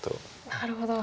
なるほど。